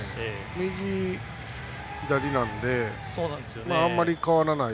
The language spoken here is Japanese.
右、左なんであまり変わらない。